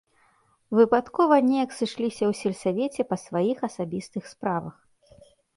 Выпадкова неяк сышліся ў сельсавеце па сваіх асабістых справах.